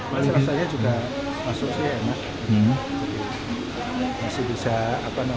masih rasanya juga masuk sih enak